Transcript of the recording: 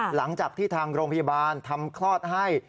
หลังจากที่ทางโรงพยาบาลทำคลอดให้